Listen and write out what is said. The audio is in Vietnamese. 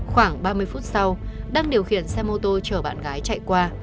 khoảng ba mươi phút sau đang điều khiển xe mô tô chở bạn gái chạy qua